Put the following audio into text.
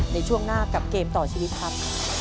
ในช่วงหน้ากับเกมต่อชีวิตครับ